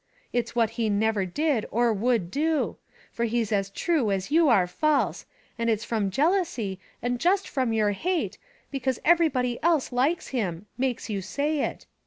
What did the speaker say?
It's what he never did, or would do; for he's as true as you are false; and it's from jealousy, and just from your hate, because everybody else likes him, makes you say it.